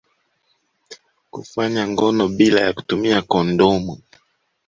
Kufanya ngono bila ya kutumia kondomu